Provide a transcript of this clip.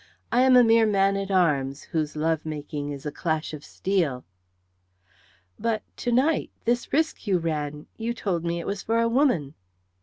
I am a mere man at arms, whose love making is a clash of steel." "But to night this risk you ran; you told me it was for a woman."